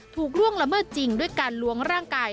ล่วงละเมิดจริงด้วยการล้วงร่างกาย